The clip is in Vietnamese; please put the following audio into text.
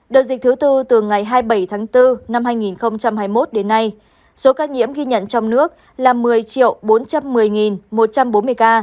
đợt dịch thứ tư từ ngày hai mươi bảy tháng bốn năm hai nghìn hai mươi một đến nay số ca nhiễm ghi nhận trong nước là một mươi bốn trăm một mươi một trăm bốn mươi ca